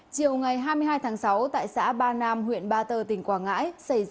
chiều ngày hai mươi hai tháng sáu tại xã ba nam huyện ba tờ tỉnh quảng ngãi